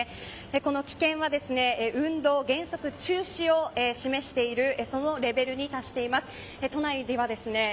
この危険は運動原則中止を示しているそのレベルに達しています。